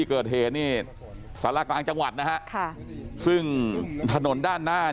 เกิดเหตุศาลากลางจังหวัดซึ่งถนนด้านหน้า